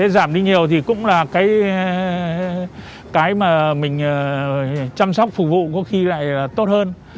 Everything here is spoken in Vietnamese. giảm đi nhiều thì cũng là cái mà mình chăm sóc phục vụ có khi lại tốt hơn